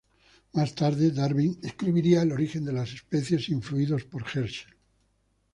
Más tarde, Darwin escribiría "El Origen de las Especies" influido por Herschel.